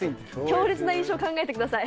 強烈な印象を考えてください。